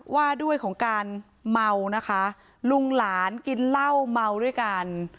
ว่าด้วยของการเมานะคะลุงหลานกินเหล้าเมาด้วยกัน